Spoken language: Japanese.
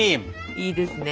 いいですね。